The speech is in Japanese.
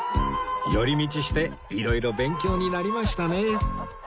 寄り道して色々勉強になりましたね